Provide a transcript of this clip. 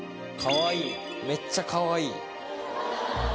めっちゃかわいい。